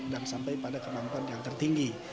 dan sampai pada kemampuan yang tertinggi